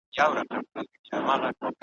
فال ختلئ می رښتیا دئ، غم ګساره ګوندي را سې.